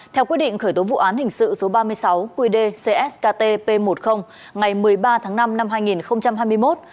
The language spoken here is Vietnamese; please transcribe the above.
theo quyết định khởi tố vụ án hình sự số ba mươi sáu qd cst p một mươi ngày một mươi ba tháng năm năm hai nghìn hai mươi một